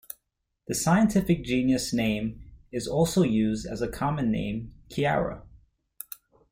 The scientific genus name is also used as a common name Kerria.